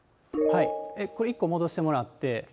これ１個戻してもらって。